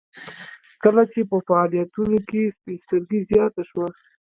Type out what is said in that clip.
کله چې په فعاليتونو کې سپين سترګي زياته شوه.